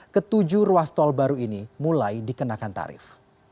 ketujuh ruas tol baru ini mulai dikenakan tarif